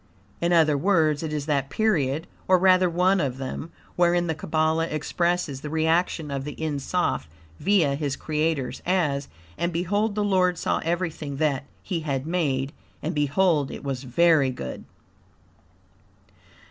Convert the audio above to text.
In other words, it is that period (or rather one of them) wherein the Kabbalah expresses the reaction of the En Soph, via his Creators, as "And behold the Lord saw everything that He had made, and behold it was very good."